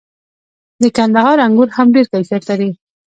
د کندهار انګور هم ډیر کیفیت لري.